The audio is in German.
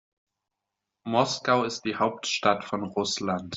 Moskau ist die Hauptstadt von Russland.